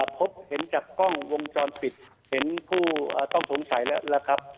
พบเห็นจากกล้องวงจรปิดเห็นผู้ต้องสงสัยแล้วนะครับ